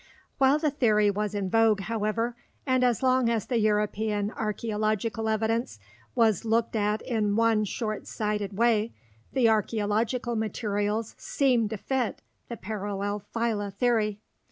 While the theory was in vogue, however, and as long as the European archeological evidence was looked at in one short sighted way, the archeological materials seemed to fit the parallel phyla theory.